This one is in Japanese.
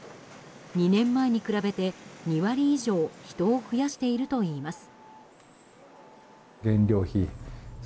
２年前に比べて２割以上人を増やしているといいます。